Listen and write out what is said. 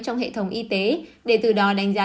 trong hệ thống y tế để từ đó đánh giá